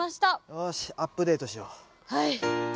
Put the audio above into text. よしアップデートしよう。